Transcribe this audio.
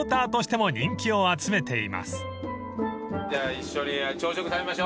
一緒に朝食食べましょう。